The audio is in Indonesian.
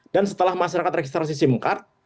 dan setelah masyarakat registrasi sim card